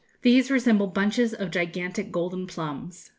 These resemble bunches of gigantic golden plums.